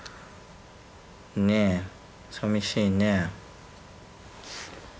ねえさみしいね。